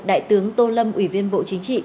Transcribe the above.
đại tướng tô lâm ủy viên bộ chính trị